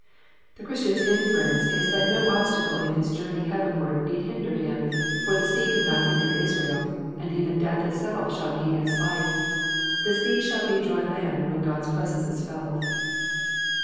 The Christian's inference is that no obstacle in his journey heavenward need hinder him, for the sea could not hinder Israel, and even death itself shall be as life ; the sea shall be dry land when God's presence is felt.